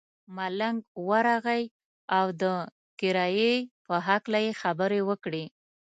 ملنګ ورغئ او د کرایې په هکله یې خبرې وکړې.